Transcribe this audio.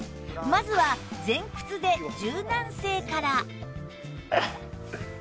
まずは前屈で柔軟性から